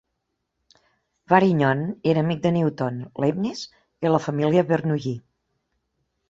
Varignon era amic de Newton, Leibniz i la família Bernoulli.